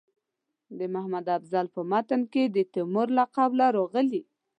د محمد افضل په متن کې د تیمور له قوله راغلي.